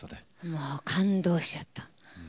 もう感動しちゃった。